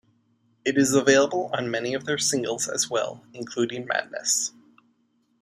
It is available on many of their singles as well, including "Madness".